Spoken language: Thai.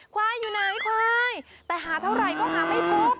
ควายอยู่ไหนควายแต่หาเท่าไหร่ก็หาไม่พบ